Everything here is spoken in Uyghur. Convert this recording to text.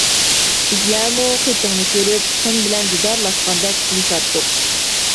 بىزلەرمۇ خېتىڭنى كۆرۈپ، سەن بىلەن دىدارلاشقاندەك بولۇشاتتۇق.